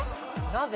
なぜ？